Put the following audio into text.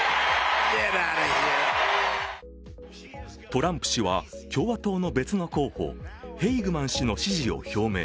トランプ氏は、共和党の別の候補ヘイグマン氏の支持を表明。